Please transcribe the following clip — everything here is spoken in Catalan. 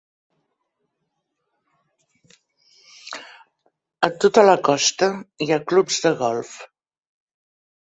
A tota la costa hi ha clubs de golf.